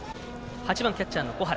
８番、キャッチャーの小原。